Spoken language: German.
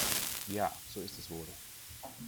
Ja, so ist es wohl.